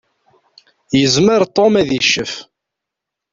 Yezmer Tom ad iccef.